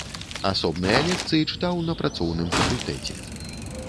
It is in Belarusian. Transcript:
Асобныя лекцыі чытаў на працоўным факультэце.